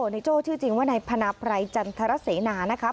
ในโจ้ชื่อจริงว่าในพนัพรายจันทรเสนานะครับ